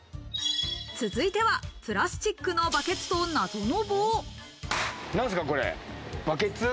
続いてはプラスチックのバケツと謎の棒。